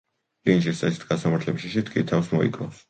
ლინჩის წესით გასამართლების შიშით კი თავს მოიკლავს.